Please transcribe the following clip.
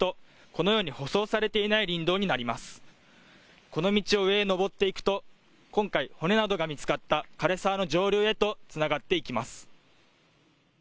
この道を上へ登っていくと今回骨などが見つかったかれ沢の上流へとつながっていきます。